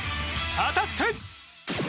果たして？